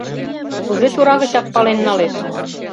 Кузе тора гычак пален налеш?